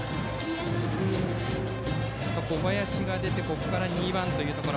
小林が出てここから２番というところ。